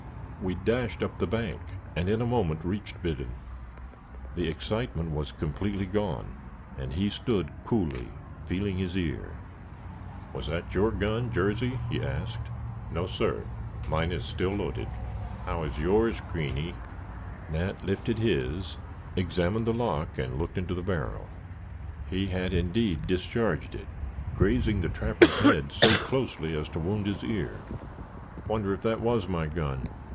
We dashed up the bank, and in a moment reached Biddon. The excitement had completely gone, and he stood coolly feeling his ear. "Was that your gun, Jarsey?" he asked. "No, sir; mine is still loaded." "How is yours, Greeny?" Nat lifted his, examined the lock and looked into the barrel. He had indeed discharged it, grazing the trapper's head so closely as to wound his ear. "Wonder if that was my gun?